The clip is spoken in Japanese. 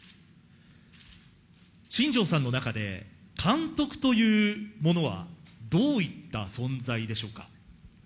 新庄さんの中で、監督というものは、どういった存在でしょうか。